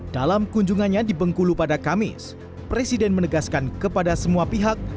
dalam kunjungannya di bengkulu pada kamis presiden menegaskan kepada semua pihak